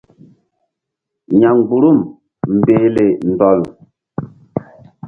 Ya mgbuhrum mbehle ndol.